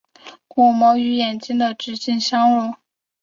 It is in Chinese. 鼓膜与眼睛的直径相若。